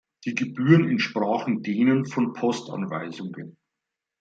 Die Gebühren entsprachen denen von Postanweisungen.